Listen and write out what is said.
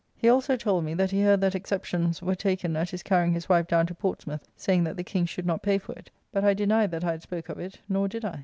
He also told me that he heard that exceptions were taken at his carrying his wife down to Portsmouth, saying that the King should not pay for it, but I denied that I had spoke of it, nor did I.